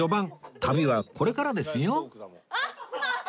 旅はこれからですよ